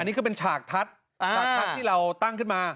อันนี้คือเป็นฉากทัศน์ที่เราตั้งขึ้นมา